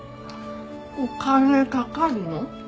お金かかるの？